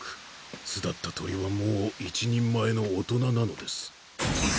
巣立った鳥はもう一人前の大人なのです。